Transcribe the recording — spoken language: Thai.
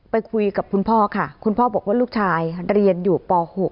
ไปคุยกับคุณพ่อค่ะคุณพ่อบอกว่าลูกชายเรียนอยู่ป๖